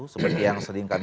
seperti yang seringkali